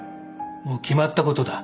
もう決まったことだ。